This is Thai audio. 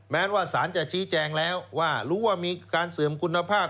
แม้ว่าสารจะชี้แจงแล้วว่ารู้ว่ามีการเสื่อมคุณภาพ